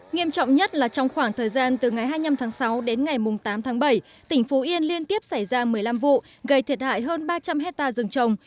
nghiêm trọng nhất là trong khoảng thời gian từ ngày hai mươi năm tháng sáu đến ngày tám tháng bảy tỉnh phú yên liên tiếp xảy ra một mươi năm vụ gây thiệt hại hơn ba trăm linh hectare rừng trồng